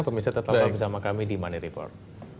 pemirsa tetaplah bersama kami di money report